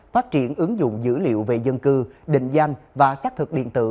phát triển ứng dụng dữ liệu về dân cư định danh và xác thực điện tử